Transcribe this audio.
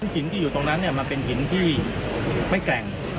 หินที่อยู่ตรงนั้นมันเป็นหินที่ไม่แกร่ง